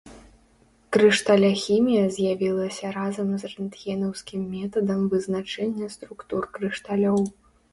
Крышталяхімія з'явілася разам з рэнтгенаўскім метадам вызначэння структур крышталёў.